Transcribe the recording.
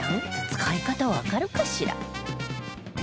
使い方わかるかしら？